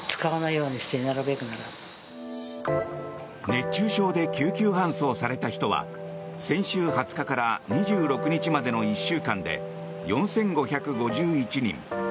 熱中症で救急搬送された人は先週２０日から２６日までの１週間で４５５１人。